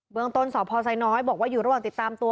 เมืองต้นสพไซน้อยบอกว่าอยู่ระหว่างติดตามตัว